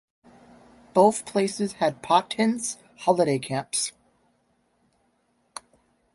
Both places had Pontin's holiday camps.